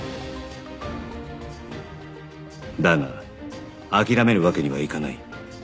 だが諦めるわけにはいかない